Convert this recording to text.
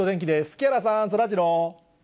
木原さん、そらジロー。